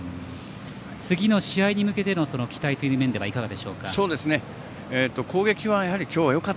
次の試合に向けての期待という面ではいかがでしょうか？